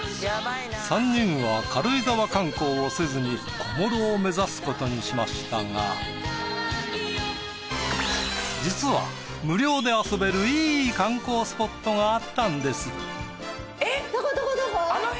３人は軽井沢観光をせずに小諸を目指すことにしましたが。実は無料で遊べるいい観光スポットがあったんです。